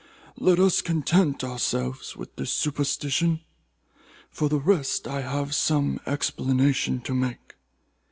Let us content ourselves with this supposition. For the rest I have some explanation to make.